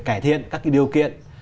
cải thiện các điều kiện